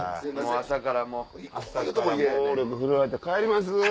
朝から暴力振るわれて帰ります！